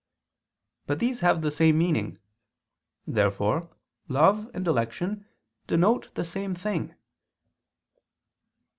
But these have the same meaning. Therefore love and dilection denote the same thing.